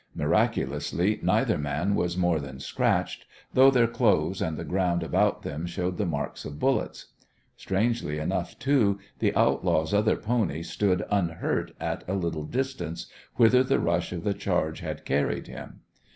Miraculously, neither man was more than scratched, though their clothes and the ground about them showed the marks of bullets. Strangely enough, too, the outlaw's other pony stood unhurt at a little distance whither the rush of the charge had carried him.